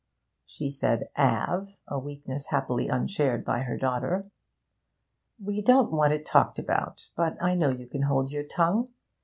She said ''ave,' a weakness happily unshared by her daughter. 'We don't want it talked about, but I know you can hold your tongue.